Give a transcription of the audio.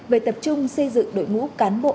về tập trung xây dựng đội ngũ cán bộ